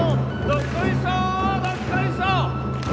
どっこいしょ！